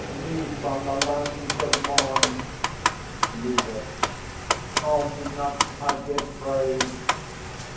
Ye from the lands of Morn! LEADER. Call me not; I give praise!